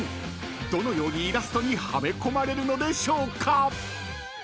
［どのようにイラストにはめ込まれるのでしょうか？］